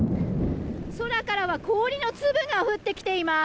空からは氷の粒が降ってきています。